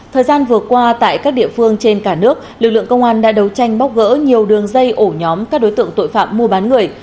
thời gian vừa qua tại các địa phương trên cả nước lực lượng công an đã đấu tranh bóc gỡ nhiều đường dây ổ nhóm các đối tượng tội phạm mua bán người